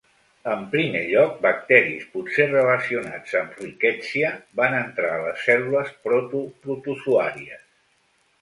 En primer lloc, bacteris, potser relacionats amb "Rickettsia", van entrar a les cèl·lules proto-protozoàries.